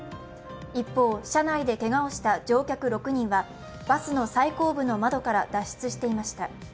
一方、車内でけがをした乗客６人は、バスの最後部の窓から脱出していました。